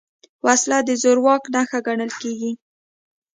وسله د زور واک نښه ګڼل کېږي